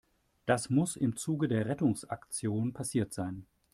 Das muss im Zuge der Rettungsaktion passiert sein.